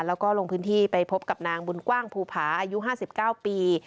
แล้วก็ลงพื้นที่ไปพบกับนางบุญกว้างภูผาอายุ๕๙ปี